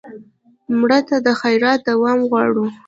مړه ته د خیرات دوام غواړو